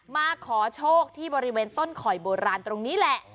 มาขอโชคที่บริเวณต้นข่อยโบราณตรงนี้แหละ